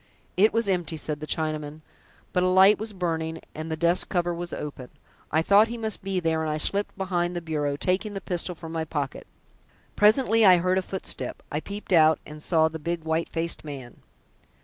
"It was empty," said the Chinaman, "but a light was burning, and the desk cover was open. I thought he must be there, and I slipped behind the bureau, taking the pistol from my pocket. Presently I heard a footstep. I peeped out and saw the big white faced man."